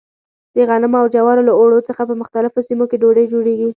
د غنمو او جوارو له اوړو څخه په مختلفو سیمو کې ډوډۍ جوړېږي.